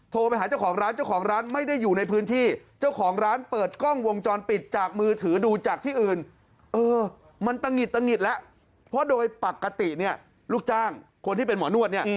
ตะงิดแล้วเพราะโดยปกติเนี่ยลูกจ้างคนที่เป็นหมอนวดเนี่ย